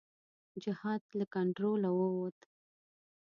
جهاد له کنټروله ووت.